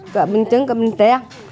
gói bánh trứng gói bánh tét